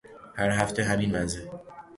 هر هفته همین وضعه